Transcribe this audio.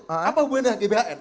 apa hubungannya dengan gbhn